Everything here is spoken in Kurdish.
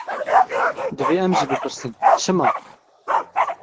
Divê em jî bipirsin, çima?